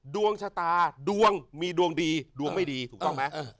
ดวงชะตาดวงมีดวงดีดวงไม่ดีถูกต้องไหม